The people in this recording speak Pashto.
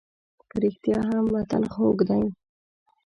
په رښتیا هم وطن خوږ دی.